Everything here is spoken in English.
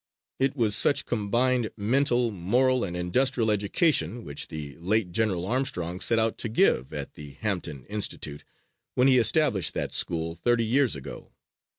It was such combined mental, moral and industrial education which the late General Armstrong set out to give at the Hampton Institute when he established that school thirty years ago.